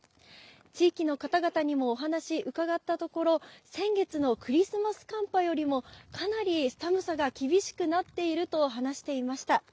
地域の方々にもお話伺ったところ、先月のクリスマス寒波よりも、かなり寒さが厳しくなっていると話していました。